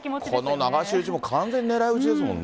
この流し打ちも完全に狙い打ちですもんね。